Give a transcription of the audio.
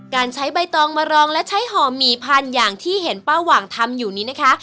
การใช้ใบตองมารองและใช้ห่อหมี่พันธุ์อย่างที่เห็นป้าหว่างทำอยู่นี้นะคะ